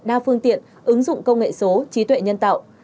đa phương tiện ứng dụng công nghệ số trí tuệ nhân tạo